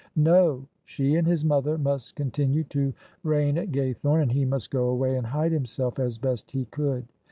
No: she and his mother must continue to reign at Gaythorne, and he must go away and hide himself as best he could.